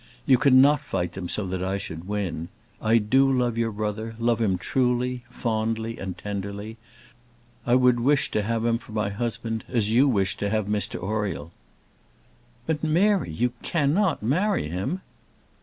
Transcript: You cannot fight them so that I should win; I do love your brother; love him truly, fondly, tenderly. I would wish to have him for my husband as you wish to have Mr Oriel." "But, Mary, you cannot marry him!"